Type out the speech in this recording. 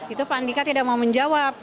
itu pandika tidak mau menjawab